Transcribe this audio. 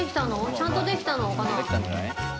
ちゃんとできたのかな？